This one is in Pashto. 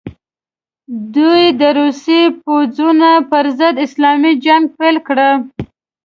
دوی د روسي پوځونو پر ضد اسلامي جنګ پیل کړي.